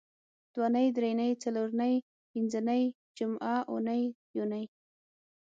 دونۍ درېنۍ څلرنۍ پینځنۍ جمعه اونۍ یونۍ